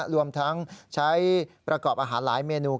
รวมทั้งใช้ประกอบอาหารหลายเมนู